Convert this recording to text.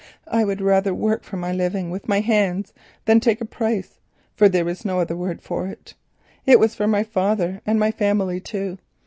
I would rather work for my living with my hands than take a price, for there is no other word for it. It was for my father, and my family too.